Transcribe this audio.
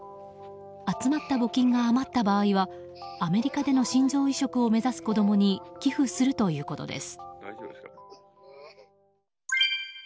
集まった募金が余った場合はアメリカでの心臓移植を目指す子供に寄付するということです。